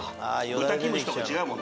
豚キムチとか違うもんね。